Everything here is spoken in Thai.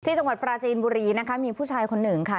จังหวัดปราจีนบุรีนะคะมีผู้ชายคนหนึ่งค่ะ